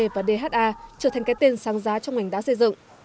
và dha trở thành cái tên sáng giá trong ngành đá xây dựng